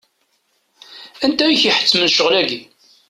Anta i k-iḥettmen ccɣel-agi?